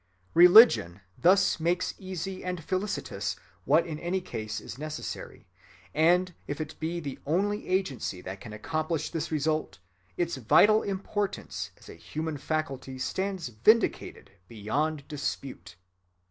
Religion thus makes easy and felicitous what in any case is necessary; and if it be the only agency that can accomplish this result, its vital importance as a human faculty stands vindicated beyond dispute.